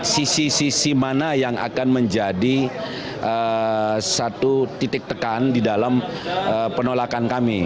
sisi sisi mana yang akan menjadi satu titik tekan di dalam penolakan kami